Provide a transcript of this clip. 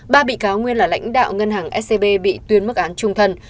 ba bị cáo nguyên là lãnh đạo ngân hàng scb bị tuyên mức án trung thân